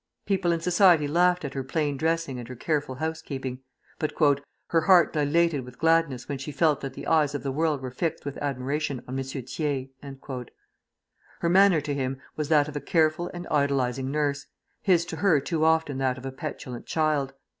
People in society laughed at her plain dressing and her careful housekeeping; but "her heart dilated with gladness when she felt that the eyes of the world were fixed with admiration on M. Thiers." Her manner to him was that of a careful and idolizing nurse, his to her too often that of a petulant child.